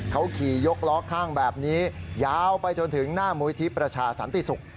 เขาขี่ยกล้อข้างแบบนี้ยาวไปจนถึงหน้ามุยที่ประชาสันติศุกร์